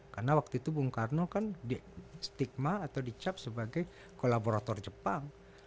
karena waktu itu bung karno kan di stigma atau dicap sebagai kolaborator jepang